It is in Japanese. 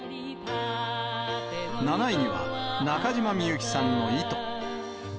７位には、中島みゆきさんの糸。